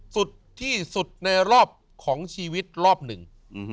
สุดที่สุดในรอบของชีวิตรอบหนึ่ง